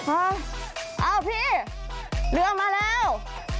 เอาพี่เรือมาแล้ว